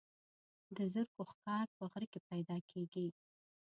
د زرکو ښکار په غره کې پیدا کیږي.